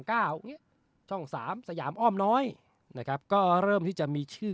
อย่างเงี้ยช่องสามสยามอ้อมน้อยนะครับก็เริ่มที่จะมีชื่อ